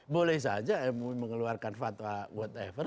boleh saja mui mengeluarkan fatwa whatever